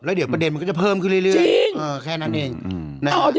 แล้วเดี๋ยวก็จะเพิ่มเรื่อย